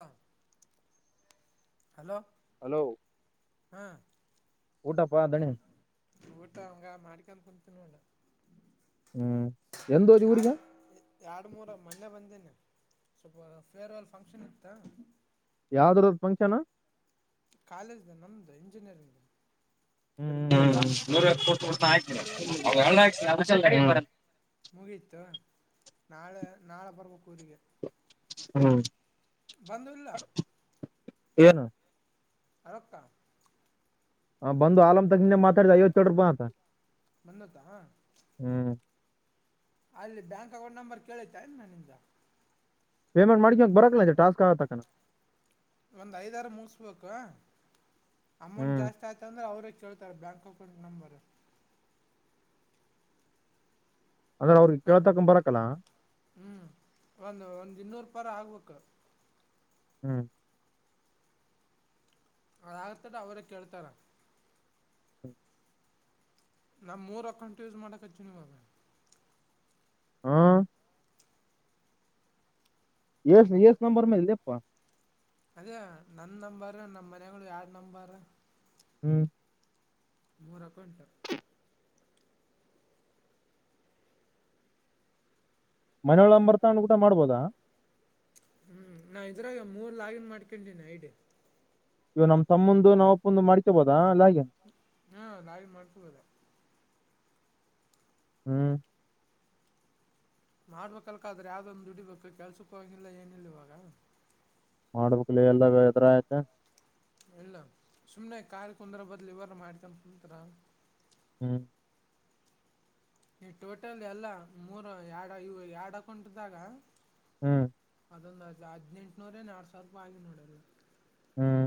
ಹ hello hello ಹಾ ಊಟಪ್ಪಾ ದಣಿ ಊಟ ಹಂಗ ಮಾಡ್ಕ್ಯಂಡ್ ಕುಂತ್ ಹ್ಮ್ ಎಂದೋದಿ ಊರಿಗೆ ಯಾರ್ಡು ಮೂರ್ ಮೊನ್ನೆ ಬಂದೀನಿ ಸ್ವಲ್ಪ ಫೇರ್ವೆಲ್ ಫಂಕ್ಷನ್ ಇತ್ತಾ ಯಾವ್ದ್ರುದ್ ಫಂಕ್ಷನ್ನು ಕಾಲೇಜ್ದ ನಮ್ದು ಇಂಜಿನಿಯರಿಂದು ಹ್ಮ್ ನೂರೈವತ್ ಫೇರ್ವೆಲ್ ಇತ್ತ [unintelligible] ಮುಗೀತು ನಾಳೆ ನಾಳೆ ಬರ್ಬೇಕ್ ಊರಿಗೆ ಹ್ಮ್ ಬಂದು ಇಲ್ಲ ಏನು ಆರಕ್ಕ ಹ ಬಂದು ಆಲಮ್ ಮಾತಾಡ್ದ ಐವತ್ತೆರಡ್ ರೂಪಾಯ್ ಅಂತ ಬಂದದಾ ಹ್ಮ್ ಅಲ್ಲಿ ಬ್ಯಾಂಕ್ ಅಕೌಂಟ್ ನಂಬರ್ ಕೇಳಿತಾ ಏನ ನಿಂದ ಪೇಮೆಂಟ್ ಮಾಡಿದ್ಯಾಕ್ ಬರದಿಲ್ಲ ಇದು ಟಾಸ್ಕ್ [unintelligible] ಒಂದ್ ಐದಾರು ಮುಗಸ್ಬೇಕು ಅಮೌಂಟ್ ಹ್ಮ್ ಜಾಸ್ತಿ ಆಯ್ತ್ ಅಂದ್ರೆ ಅವ್ರೆ ಕೆಳುತಾರ್ ಬ್ಯಾಂಕ್ ಅಕೌಂಟ್ ನಂಬರು ಅಂದ್ರೆ ಅವ್ರಿಗೆ ಹ ಕೇಳತಕ ಬರಕಲ್ಲ ಹ್ಮ್ ಒಂದು ಒಂದ್ ಇನ್ನೂರ್ ರುಪ ಆರು ಆಗ್ಬೇಕು ಹ್ಮ್ ಅದಾಗತ್ತದ ಅವರೇ ಕೇಳ್ತರಾ? ನಾ ಮೂರ್ ಅಕೌಂಟ್ ಯೂಸ್ ಮಾಡಕತೀನಿ. ಆ ಎಸ್ ಎಸ್ಟ್ ನಂಬರ್ ಮೇಲ್ ಇದಪ್ಪ ಅದೇ ನನ್ ನಂಬಾರ ನಮ್ಮ ಮನೆಗಳು ಯಾರ್ ನಂಬಾರು ಹ್ಮ್ ಮೂರ್ ಅಕೌಂಟು ಮನೆಯೋಳ್ ನಂಬರ್ ತಾಂಡ್ ಊಟ ಮಾಡ್ಬೋದಾ? ಹ್ಮ್ ನಾ ಇದ್ರಾಗ ಮೂರ್ ಲಾಗಿನ್ ಮಾಡ್ಕಂಡೀನಿ ಐಡಿ ಇವ ನಮ್ಮ್ ತಮ್ಮಂದು ನಾಮ್ ಅಪ್ಪಂದು ಮಾಡ್ಕ್ಯಬೋದ ಇಲ್ಲ [unintelligible] ಹಾ ಲಾಗಿನ್ ಮಾಡ್ಕ್ಯಬೋದು. ಹ್ಮ್ ಮಾಡ್ಬೇಕಲ್ಕ ಆದ್ರೆ ಯಾವ್ದೊಂದು ದುಡಿಬೇಕು ಕೆಲ್ಸಕ್ಕೂ ಹವಾಗಿಲ್ಲ ಏನಿಲ್ಲ ಇವಾಗ. ಮಾಡ್ಬೇಕಕ್ ಎಲ್ಲ ಎದುರ ಐತೆ. ಇಲ್ಲ ಸುಮ್ನೆ ಕಾಡ್ ಕುಂದ್ರ ಬದ್ಲು ಇವಾರ ಮಾಡ್ಕೊಂಡ ಕುಂತರ ಹ್ಮ ನೀ ಟೋಟಲ್ ಎಲ್ಲ ಮೂರು ಎರಡ ಇವು ಎರಡಕಂಟಿದಾಗ. ಹ್ಮ್ ಅದೊಂದು ಅದ್ನೇನ್ಟ್ನೂರ ನ ಆಡ್ ಸಾವಿರ ರೂಪಾಯ ಆಗಿ ನೋಡೋದು. ಹ್ಮ್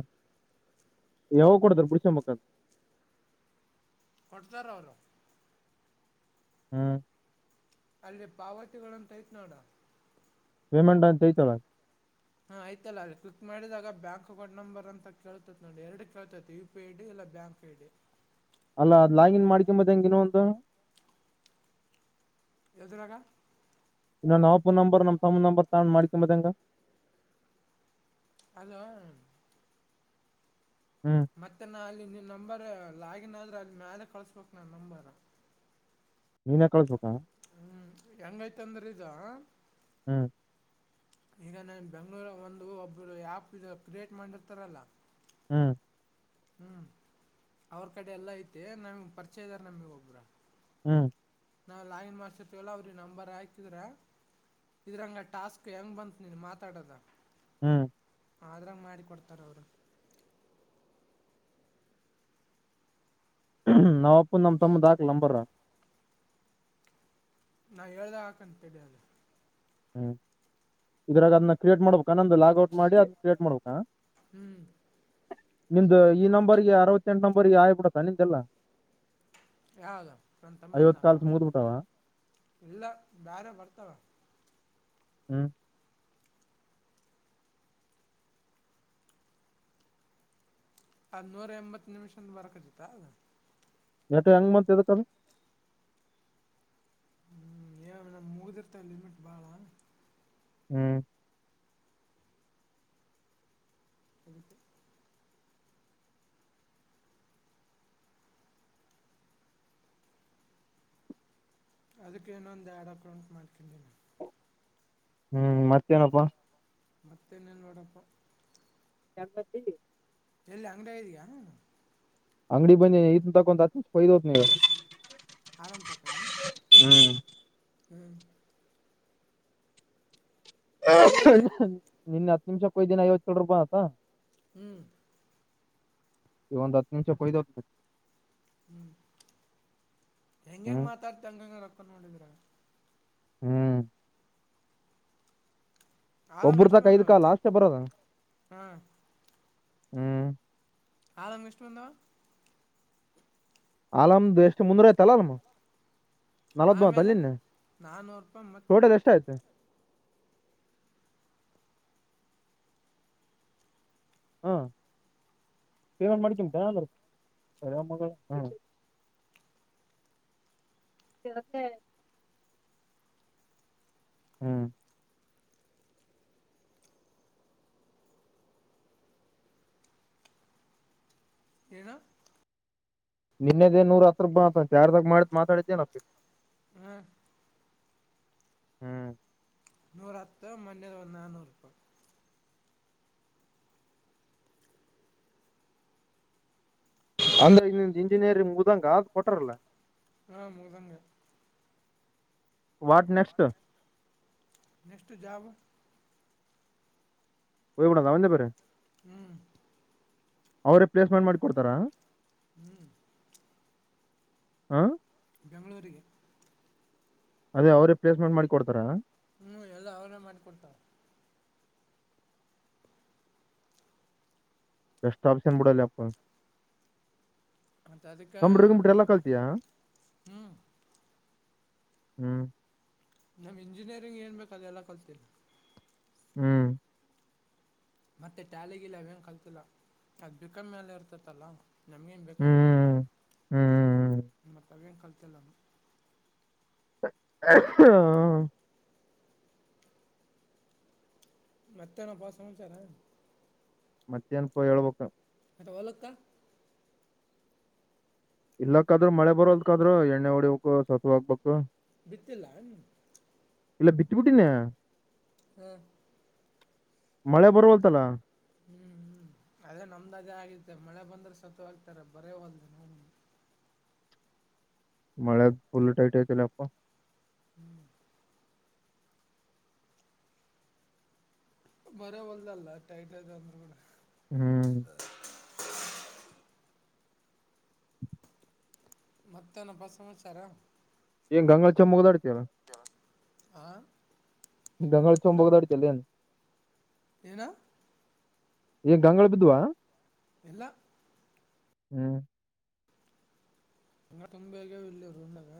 ಯಾವಾಗ ಕೊಡತಾರ ಬುಡಸಂಬಕ್ಕ ಕೊಟ್ತರ್ ಅವರು ಹ್ಮ್ ಅಲ್ಲೇ ಪಾವತಿಗಳಂತ ಐತ್ ನೋಡ ಪೇಮೆಂಟ್ ಅಂತ್ತಲ ಹಾ ಆಯ್ತಲ್ಲ ಅ ಕ್ಲಿಕ್ ಮಾಡಿದಾಗ ಬ್ಯಾಂಕ್ ಅಕೌಂಟ್ ನಂಬರ್ ಅಂತ ಕೇಳ್ತೈತಿ ನೋಡಿ ಎರಡು ಕೇಳ್ತೈತಿ ಯು ಪಿ ಐ ಡಿ ಇಲ್ಲ ಬ್ಯಾಂಕ್ ಐ ಡಿ. ಅಲ್ಲಾ ಅದ್ ಲಾಗಿನ್ ಮಾಡ್ಕೊಂಬದ ಹೆಂಗನು ಒಂದು ಎದುರಾಗ ಇನ್ನೊಂದು ನಫೋನ್ ನಂಬರ್ ನಮ್ ತನ್ ನಂಬರ್ ತಗೊಂಡ ಮಾಡ್ಕೊಂಬದಂಗ ಅದ ಹ್ಞೂ ಮತ್ತೆ ನಾ ಅಲ್ಲಿ ನಂಬರ್ ಅಲ್ಲ ಆಗನ ಆದ್ರೆ ಅಲ್ಲಿ ಮ್ಯಾಲಲೆ ಕಳ್ಸ್ಬೇಕ್ ನಾ ನಂಬಾರ ಮೀನ್ ಕಳ್ಸ್ಬೇಕಾ ಹ್ಮ್ ಹೆಂಗೈತ ಅಂದ್ರ ಇದ ಹ್ಮ್ ಈಗ ನನ್ ಬೆಂಗ್ಳೂರ ಒಂದು ಒಬ್ರು ಆ್ಯಪ್ ಇ ಕ್ರಿಯೇಟ್ ಮಾಡಿರ್ತಾರಲ್ಲ. ಹ್ಮ್ ಹ್ಮ್ ಅವ್ರ ಕಡೆ ಎಲ್ಲ ಐತೆ ನಮ ಪರಿಚಯ ಇದ್ದಾರ ನಮಗ್ ಒಬ್ರ ಹ್ಮ್ ನಾವು ಲೈನ್ ಮಾಸ್ಟರ್ವಲ್ಲ ಅವ್ರಿಗೆ ನಂಬರ್ ಹಾಕಿದ್ರ ಇದ್ರಂಗ ಟಾಸ್ಕ್ ಹೆಂಗ್ ಬಂತ ನೀನು ಮಾತಾಡೋದ ಹ್ಮ್ ಆದ್ರಂಗ ಮಾಡಿ ಕೊಡ್ತಾರ ಅವರು. ನಾವ್ ಅಪ್ಪ ನಮ್ಮ್ ತಮ್ಮದ ಹಾಕ್ಲಂಬರ ನಾ ಹೇಳ್ದ ಹಾಕಂತ ಅದು. ಹ್ಮ್ ಇದ್ರಾಗ ಅದನ್ನ ಕ್ರಿಯೇಟ್ ಮಾಡ್ಬೇಕಾ ನಂದು ಲಾಗ್ಔಟ್ ಮಾಡಿ ಅದ್ ಕ್ರಿಯೇಟ್ ಮಾಡ್ಬೇಕಾ? ಹ್ಮ್ ನಿಮ್ದ ಈ ನಂಬರ್ಗೆ ಅರವತ್ತೆಂಟು ನಂಬರ್ಗೆ ಆಗ್ಬಿಡತ್ತಾ ನಿಮ್ದೆಲ್ಲಾ. ಯಾವದ ಸ ತಂಬತ್ನಾಾಕ ಮುಗಿದ್ಬಿಟ್ಟಾವ ಇಲ್ಲ ಬ್ಯಾರೆ ಬರ್ತಾವ. ಹ್ಮ ಅದ್ ನೂರ ಎಂಬತ್ತು ನಿಮಿಷ ಬರಕಜತ್ತ ಅ ನಟ ಹೆಂಗ ಬಂತು ಎದುಕ್ ಅದು ಹ್ಮ್ ಏ ನಮ ಮುಗ್ದಿರ್ತ ಲಿಮಿಟ್ ಬಾಳ ಹ್ಮ್ ಹ ಅದಕ್ಕೇನೊಂದು ಎಡಕ ಉಂಟ ಮಾಡ್ಕನ್ ನ ಹ್ಮ್ ಮತ್ತೇನಪ್ಪಾ ಮತ್ತೆೇನೇನ್ ನೋಡಪ್ಪ ಎಂಬತ್ತ ಎಲ್ಲ ಅಂಗ್ಡಿಯಗ್ ಐದಯಾ ಅಂಗಡಿ ಬಂದ ಇ ತಾಕೊಂಡ ಆಫೈ ಹತನ ಅರಾಮ ತಕ ಹ್ಞೂ ಹ್ಮ್ ರಿಯಾಜ ನಿನ್ನ ಹತ್ತು ನಿಮಿಷ ಕೊಯ ದಿನ ಐವತ್ತು ಚೊ ರೂಪಾಯಾ ಆಯ್ತ್ ಹ್ಮ್ ಇವಂದು ದತ್ ನಿಂಚ ಪೈದ ಹ್ಮ್ ಹೆಂಗ್ ಹೆಂಗ್ ಹ್ಮ್ ಮಾತಾಡ್ತ ಹಂಗ ನೋಡಿದ್ರ ಹ್ಮ್ ಆರಾಮ್ ಒಬ್ಬ್ರ ತ ಎಷ್ಟು ಕೈದ್ಕ ಬಂದವಂತ ಲ ಅಷ್ಟೇ ಬರೋದ ಹಾ ಹ್ಮ್ ಆರ ಮಷ್ಟ್ಣು ಬಂದವಾ ಅಲಮ್ದು ಎಷ್ಟು ಮುಂದರ ಆಯ್ತಲ್ಲ ಅಲಮ್ಮ ನಲ್ವತ್ ಮೂವತ್ ಆಮೇಲೆ ಅಲ್ಲಿಂದೆ ನಾನ್ನೂರು ರೂಪಾಯಿ ಮತ್ತೆ ಟೋಟಲ್ ಎಷ್ಟ ಆಯ್ತು ಹಾ ಸೇವನ್ ಮಾಡ್ಕ ಹ ಇತ್ತ [inaudible] ಹ್ಮ್ ಏನು ನಿನ್ನೆದೇ ನೂರ ಹತ್ರ ಬ ಯಾರದಾಗ ಮಾಡತ್ ಮಾತಾಡಿದೇನಪ್ಪ ಹಾಂ ಹ್ಮ್ ರಥ ಮೊನ್ನೆ ಒಂದ್ ನಾನುರೂಪಾಯ್ ಅಂದ್ರೆ ಇಗ್ ನಿಂದ್ ಇಂಜಿನಿಯರಿಂಗ್ ಮುಗ್ಧಗ ಕೊಟಾರಲ್ಲ ಹಾ ಮೌದಂಗ ವಾಟ್ ನೆಕ್ಸ್ಟ್ ನೆಕ್ಸ್ಟ್ ಜಾಬ್ ಹೊಗ್ಬಡದ ಎಂದ ಪೇರೀ ಹ್ಮ್ ಅವ್ರೆ ಪ್ಲೇಸ್ಮೆಂಟ್ ಮಾಡಿ ಕೊಡ್ತಾರಾ ಹ್ಮ್ ಹ್ಮ ಬೆಂಗಳೂರಿಗೆ ಅದೇ ಅವ್ರೀ ಪ್ಲೇಸ್ಮೆಂಟ್ ಮಾಡಿ ಕೊಡ್ತಾರ ಹ್ಮ್ ಎಲ್ಲ ಅವನ್ನ ಮಾಡಕೊತಾರೆ ರಷ್ಟಾಫಷನ್ಬೂಡಲ್ಲ ಅಪ್ಪ ಮತ್ತೆ ಅದಕ್ಕೆ ಕಂಪ್ಯೂಟರ್ ಗಿಂಪ್ಯೂಟರ್ ಎಲ್ಲ ಕಲ್ತಿಯಾ ಹ್ಮ್ ಹ್ಮ್. ನಮ್ ಇಂಜಿನಿಯರಿಂಗ್ ಏನ್ಬೇಕ ಅದೆ ಎಲ್ಲಾ ಕಲ್ತಿಲ್ಲ. ಹ್ಮ್. ಮತ್ತೆ ಟ್ಯಾಲಿ ಗಿಲಿ ಅವೇನು ಕಲ್ತಿಲ್ಲ ಅದ ಬಿ ಕಾಮ್ ಮ್ಯಾಲ ಇರ್ತಿತಲ್ಲ. ನಮ್ಗೇನ್ ಬೇಕಾಗಿಲ್ಲ ಅದು ಹ್ಮ್ ಹ್ಮ್ ಹ್ಮ್ ಮತ್ತ ಅವೆನ ಕಲ್ ಹಾ. ಮತ್ತೆ ನಪ್ಪ ಸಮಚಾರ. ಮತ್ತೆೇನ್ ಪ ಹೇಳ್ಬೇಕ. ಮತ್ತೆ ಹಲ್ಕಾ. ಇಲ್ಲಕ್ಕ ಆದ್ರೂ ಮಳೆ ಬರೋದಕಾದ್ರೂ ಎಣ್ಣೆ ಹೊಡಿಬೇಕು ಸತ್ ಆಗ್ಬೇಕು. ಬಿತ್ತಿಲ್ಲ ಹ. ಇಲ್ಲ ಬಿತ್ತಬಿಟ್ಟೀಿನ. ಹ್ಮ. ಮಳೆ ಬರವಲ್ತ ಅಲ್ಲ. ಹ್ಮ್ ಹ್ಮ್ ಅದೇ ನಮ್ದ್ ಅದೇ ಆಗಿತ್ತ ಮಳೆ ಬಂದ್ರೆ ಸತ್ ಹ್ತಾರ ಬರೇ ಹೋದ ನೋ ಮಳೆ ಫುಲ್ ಟೈಟ್ ಐತಿಲ್ಲ ಅಪ್ಪ. [inaudible] ಮರವಲ್ದಲ್ಲ ಟೈಟ್ ಐತಿ ಅಂದ್ರರು ಕೂಡ. ಹ್ಮ್. ಮತ್ತನಪ್ಪ ಸಮಾಚಾರ. ಆ [unintelligible] [unintelligible] ಏನ ಏನ್ ಗಂಗಗಳು ಬಿದ್ದ್ವ. ಇಲ್ಲಾ. ಹ್ಮ್. ಹಂಗ ತುಂಬ ಹೇಗ ಇಲ್ಲಿ ರೂಣ್ಣಾಗ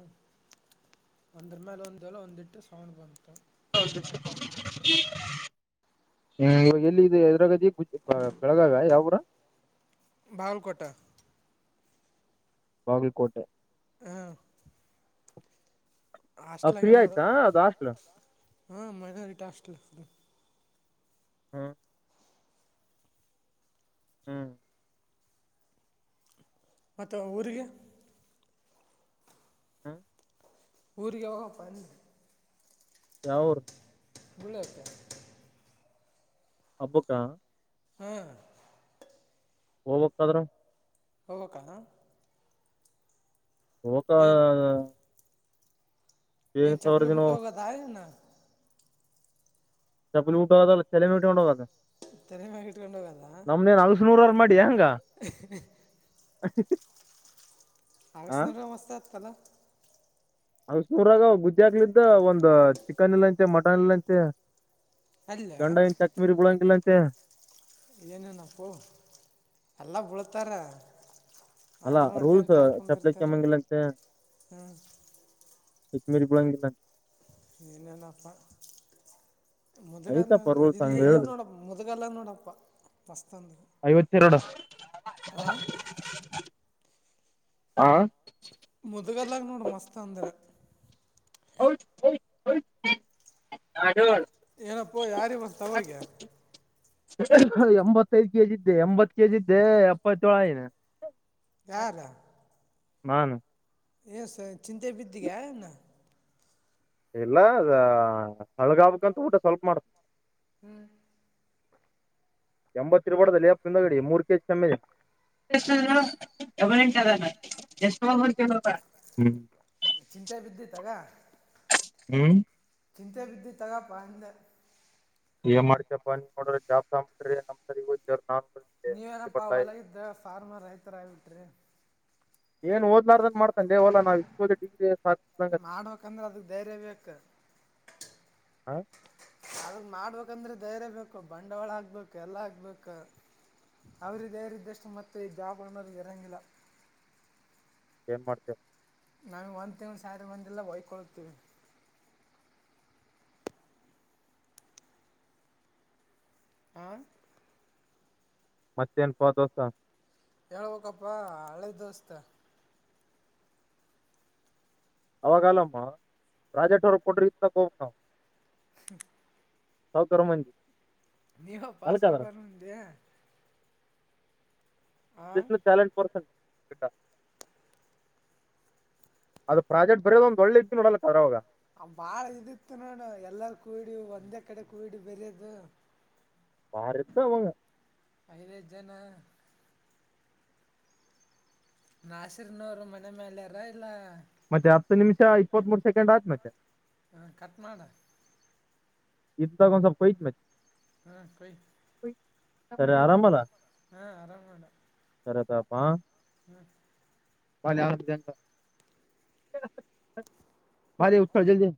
ಒಂದ್ರ ಮೇಲೆ ಒಂದಲ್ಲ ಒಂದಿಟ್ಟು ಸೌಂಡ್ ಬಂತು. ಹ್ಮ ಇವಾಗ ಎಲ್ಲಿ ಇದೆ ಎದರಾಗದೀ. ಜ ಬೆಳಗಾವಿಯ ಯಾವ ಊರ. ಬಾಗಲಕೋಟ ಬಾಗಲ್ಕೋಟೆ. ಹ್ಮ. ಆ ಹಾಸ್ಟೆಲ್ ಆಗ ಫ್ರೀ ನೋಡ ಆಯ್ತಾ ಅದು ಹಾಸ್ಟ್ಲ್ ಹಾ ಮೈನಾರಿಟಿ ಹಾಸ್ಟೆಲ್. ಹ್ಮ್. ಹ್ಮ್. ಮತ್ತ ಊರಿಗೆ. ಹ್ಮ. ಊರಿಗೆ ಯಾವಾಗ ಪಾ ಅಂದೆ. ಯಾವೂರು. [unintelligible] ಹಬ್ಬಕ್ಕ. ಹ್ಮ್. ಹೋಗ್ಬಕ್ಕಾದ್ರರ. ಹೋಗ್ಬೇಕಾ. [unintelligible] ಏಳ್ ಏನ್ ಸಾವಿರ ಚಪ್ಪಲಿ ದಿನ ಬಿಟ್ಟ ಹೋಗದ ಆನ ಚಪ್ಪ ಊಟ ಅದಲ್ಲ ಚಲೆ ನೂಟಿೊಂಡೋಗಾಗ ತನ ಮಾಡಗಿಟ್ಕೊಂಡು ಹೋಗದಾ ನೂರ ಮಾಡ ಡಂಗ [unintelligible] [inaudible] ಆಗಸನರಾಮ ಮಸ್ತತ್ ಪಲ್ಲ [unintelligible] ಅವೆಷ್ಟು ಉರಗ ಗುದ್ದಿ ಹಾಕ್ಲಿದ್ದ ಒಂದು ಚಿಕನ್ ಇಲ್ಲಂತೆ ಮಟನ್ ಇಲ್ಲಂತೆ ಅಲ್ಲ ಗಂಡ ಹೆಂಡ್ತಿ [unintelligible] ತ್ತ ಏನೇನಪ್ಪು ಎಲ್ಲ ಬೀಳ್ತಾರ ಅಲ್ಲಾ ಆದ್ರೂ ರೂಲ್ಸ್ ನೋಡ್ಕೊಂಡು ಚಪ್ಲಿ ತಾರ್ಕೊಂಡಿರ್ತಾರೆ ಅಕ್ಕಮ್ಮಂಗ್ ಇಲ್ಲಂತೆ ಹ್ಞೂ ಮಿರಿ ಬಿಳಂಗಿಲ್ಲಂತೆ ಏನೇನಪ್ಪಾ ಮುದ್ಗಲ್ಲ ಐತಪ್ಪ ರೂಲ್ಸ್ ಇಲ್ಲಿ ಹಂಗ ಇಲ್ಲಿ ಹೇಳಿದ್ರು ನೋಡ ಮುದಗಲ್ಲ ನೋಡಪ್ಪ ಮಸ್ತಂದರ ತಿರಡು ಆ ಹ ಮುದ್ಗಲ್ಲಾಗ ನೋಡ ಮಸ್ತ್ ಅಂದ್ರ ಹೌ ಅದ [unintelligible] ಏನಪ್ಪೋ ಯಾರ ಬಂತವಾಗೆ ಎಂಬತ್ತೈದು ಕೆಜಿ ಇದ್ದೆ ಎಂಬತ್ ಕೆಜಿ ಇದ್ದೆ ಎಪ್ಪತೆಳು ಆಗಿನಿ ಯಾರು ನಾನು ಏಸ ಚಿಂತೆ ಬಿದ್ದಿಯ ಏನು ಇಲ್ಲ ಅದ ತೆಳ್ಳಗಾಗ್ಬೇಕಂತಊಟ ಸ್ವಲ್ಪ ಮಾಡ್ತ ಹ್ಮ್ ಎಂಬತ್ತು ಇರ್ಬಾರ್ದಲೇ ಹಿಂದಗಡೆಗೆ ಮೂರುಕೆಜಿ ಕಮ್ಮಿ ಆಗೈತೆ ಎಷ್ಟಾಯ್ತಣ್ಣ ಡಬಲ್ ಎಂಟು ಸೆವನು ಕೆ [unintelligible] ಚಿಂತೆ ಬಿದ್ದಿ ತಗ ಹ್ಮ್ ಚಿಂತೆಗೆ ಬಿದ್ದೀಯ ತಗಪ್ಪ ಅಂದೆ ಏನ್ ಮಾಡ್ತೀಯಪ್ಪ ನೀನ್ ನೋಡ್ರ ಜಾಪ್ ನಮ್ ಕಡೆಗೆ [unintelligible] ನೀವೇನಪ್ಪಾ ಹೊಲಗ್ದ ಫಾರ್ಮರ್ ರೈತರ ಆಗ್ಬಿಟ್ರಿ ಏನ್ ಓದ್ ಮಾರ್ದಂತ ಏನ್ ಮಾಡ್ತೀಯ ಹೊಲ ನಾವು ಡಿಗ್ರಿ ಸಾಧ ಮಾಡ್ಬೇಕಂದ್ರೆ ಅದಕ್ಕೆ ಧೈರ್ಯ ಬೇಕು [unintelligible] ಅದುನ್ನ ಮಾಡ್ಬೇಕಂದ್ರೆ ಧೈರ್ಯ ಬೇಕು ಬಂಡವಾಳ ಆಕ್ಬೇಕು ಎಲ್ಲ ಆಕ್ಬೇಕ ಅವ್ರಿಗೆ ಧೈರ್ಯ ಇದ್ದಷ್ಟು ಮತ್ತೆ ಈ ಜಾಬ್ಗಳೋ ಗ ಇರಂಗಿಲ್ಲ ಏನ್ ಮಾಡ್ತ್ಯೋ ನಾವ್ ಒಂದ್ ತಿಂಗಳು ಸ್ಯಾಲರಿ ಬಂದಿಲ್ಲ ಹೊಯ್ಕೊಳ್ಳತೀವಿ ಹ ಮತ್ತೇನ್ ಪ ದೋಸ್ತ ಹೇಳ್ಬೇಕಪ್ಪ ಹಳೆ ದೋಸ್ತ ಅವಾಗಾಲಮ್ಮ ಪ್ರಾಜೆಕ್ಟ್ ವರ್ಕ್ ಕೊಡ್ರ ಇಂತ ಹೋಗ್ಬೇಕ್ ನಾವು [inaudible] ಸಾಹುಕಾರ್ ಮಂದಿ ನೀವಪ್ಪ ಅಲ್ಕದ್ರ ಸಾವ್ಕಾರ್ ಮಂದಿ ಟಾಲಂಟ್ ಪರ್ಸನ್ ಅದು ಪ್ರಾಜೆಕ್ಟ್ ಬರೆಯೋದ ಒಂದ ಒಳ್ಳೆ ಇದ್ದ ನೋಡಲ್ಲ ತರವಾಗ ಆ ಬಾಳ ಇದಿತ್ತು ನೋಡು ಎಲ್ಲಾರ ಬಾರಿ ಇತ್ತು ಅವಾಗ ಐದೈದು ಜನ ನಾಸರ್ನವರು ಮನೆ ಮೇಲಾರ ಇಲ್ಲ ಮತ್ತೆ ಹತ್ತು ನಿಮಿಷ ಇಪ್ಪತ್ತ್ ಮೂರ್ ಸೆಕೆಂಡ್ ಆಯತತ್ ಮತ್ತೆ ಹಾ ಕಟ್ ಮಾಡು [unintelligible] [inaudible] ಸರಿ ಆರಾಮ ಅಲ ಹಾ ಆರಾಮಣ ಸರ ತಗಪ್ಪ [inaudible] [unintelligible]